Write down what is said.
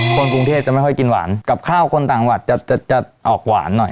คนกรุงเทพจะไม่ค่อยกินหวานกับข้าวคนต่างหวัดจะจะออกหวานหน่อย